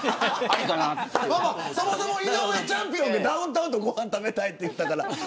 そもそも井上チャンピオンがダウンタウンとご飯食べたいと言ったから。